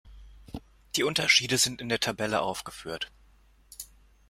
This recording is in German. Die Unterschiede sind in der Tabelle aufgeführt.